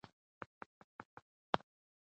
لوستې میندې د ماشومانو د بدن پاک ساتلو عادت ورکوي.